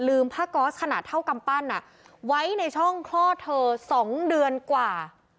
ผ้าก๊อสขนาดเท่ากำปั้นไว้ในช่องคลอดเธอ๒เดือนกว่า